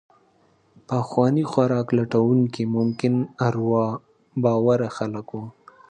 پخواني خوراک لټونکي ممکن اروا باوره خلک وو.